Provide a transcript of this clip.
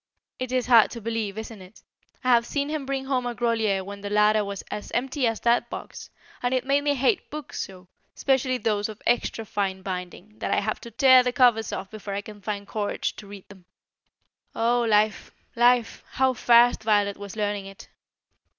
It is hard to believe, isn't it? I have seen him bring home a Grolier when the larder was as empty as that box; and it made me hate books so, especially those of extra fine binding, that I have to tear the covers off before I can find courage to read them." O life! life! how fast Violet was learning it!